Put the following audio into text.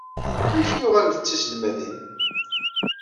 Amek i yuɣalent d tiselmadin?